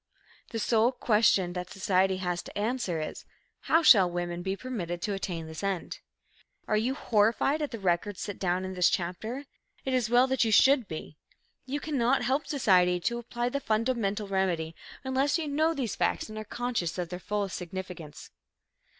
The sole question that society has to answer is, how shall women be permitted to attain this end? Are you horrified at the record set down in this chapter? It is well that you should be. You cannot help society to apply the fundamental remedy unless you know these facts and are conscious of their fullest significance.